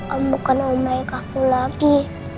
om bukan om baik aku lagi